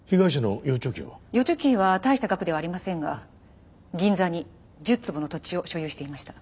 預貯金は大した額ではありませんが銀座に１０坪の土地を所有していました。